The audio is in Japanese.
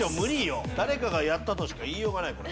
誰かがやったとしか言いようがないこれ。